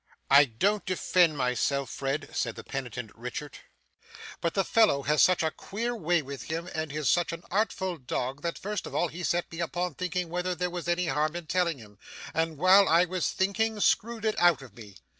'I don't defend myself, Fred,' said the penitent Richard; 'but the fellow has such a queer way with him and is such an artful dog, that first of all he set me upon thinking whether there was any harm in telling him, and while I was thinking, screwed it out of me.